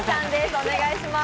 お願いします。